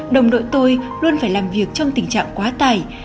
đồng đội tôi luôn phải làm việc trong tình trạng quá tải